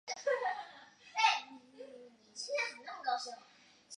似锥低颈吸虫为棘口科低颈属的动物。